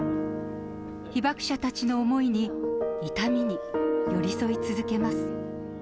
被爆者たちの思いに、痛みに、寄り添い続けます。